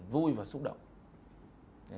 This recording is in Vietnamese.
vui và xúc động